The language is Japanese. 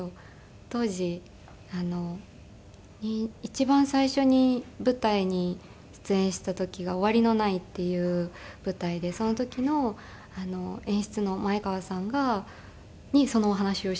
当時一番最初に舞台に出演した時が『終わりのない』っていう舞台でその時の演出の前川さんにそのお話をした時があって。